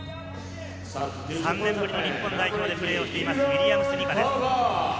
３年ぶりの日本代表でプレーをしています、ウィリアムス・ニカです。